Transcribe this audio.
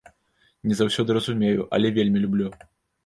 Не заўсёды разумею, але вельмі люблю.